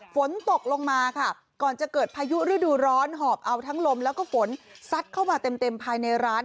ฝนตกลงมาค่ะก่อนจะเกิดพายุฤดูร้อนหอบเอาทั้งลมแล้วก็ฝนซัดเข้ามาเต็มเต็มภายในร้าน